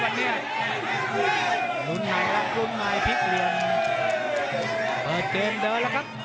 พันลิตร